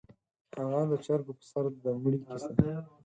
_هغه د چرګو پر سر د مړي کيسه؟